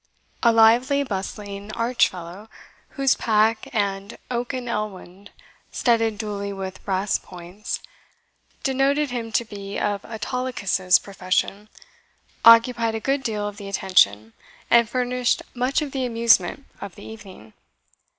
A lively, bustling, arch fellow, whose pack, and oaken ellwand studded duly with brass points, denoted him to be of Autolycus's profession, occupied a good deal of the attention, and furnished much of the amusement, of the evening.